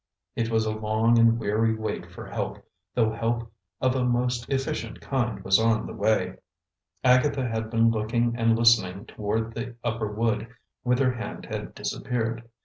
It was a long and weary wait for help, though help of a most efficient kind was on the way. Agatha had been looking and listening toward the upper wood, whither Hand had disappeared.